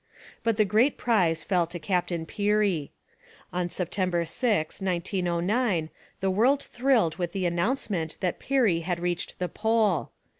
But the great prize fell to Captain Peary. On September 6, 1909, the world thrilled with the announcement that Peary had reached the Pole.